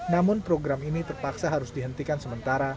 namun program ini terpaksa harus dihentikan sementara